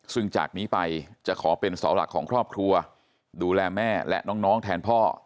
ซึ่งจากนี้ไปจะขอเป็นเสาหลักของครอบครัวดูแลแม่และน้องแทนพ่อ